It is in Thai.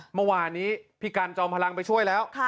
เมื่อวานนี้พี่กันจอมพลังไปช่วยแล้ว